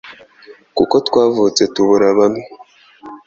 kuko twavutse tubura bamwe